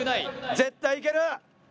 絶対いける！